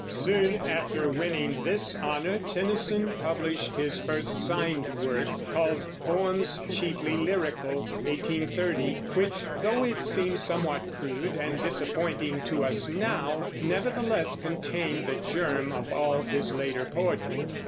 Soon after winning this honor Tennyson published his first signed work, called Poems Chiefly Lyrical (1830), which, though it seems somewhat crude and disappointing to us now, nevertheless contained the germ of all his later poetry.